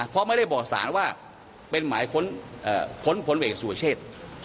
เพราะไม่ได้บอกสารว่าเป็นหมายค้นผลเอกสุเชษ